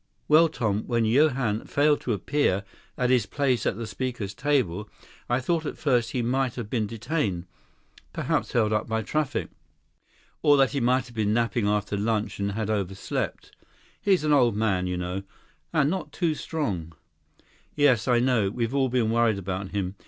"Well, Tom, when Johann failed to appear at his place at the speakers' table, I thought at first he might have been detained, perhaps held up by traffic. Or that he might have been napping after lunch, and had overslept. He's an old man, you know. And not too strong." "Yes. I know. We've all been worried about him.